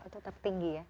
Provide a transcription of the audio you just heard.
tetap tinggi ya